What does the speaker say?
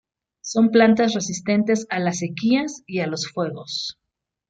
Son plantas resistentes a las sequías y a los fuegos.